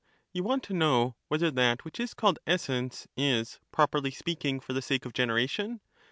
629 Pro. You want to know whether that which is called PhiUbus, essence is, properly speaking, for the sake of generation